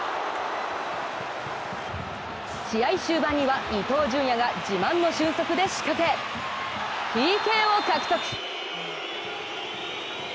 試合終盤には伊東純也が自慢の俊足で仕掛け、ＰＫを獲得。